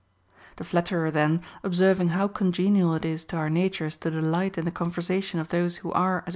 The flatterer then, observing how congenial it is to our natures to delight in the conversation of those who are, as FROM Λ FRIEND.